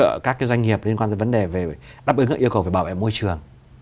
hỗ trợ các doanh nghiệp liên quan tới vấn đề về đáp ứng các yêu cầu về bảo vệ môi trường